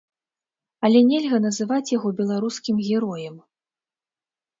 Але нельга называць яго беларускім героем.